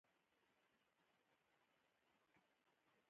ځغاسته د سحر نوی امید ده